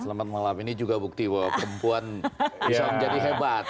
selamat malam ini juga bukti bahwa perempuan bisa menjadi hebat